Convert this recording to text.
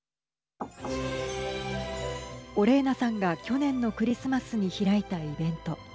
オレーナさんが去年のクリスマスに開いたイベント。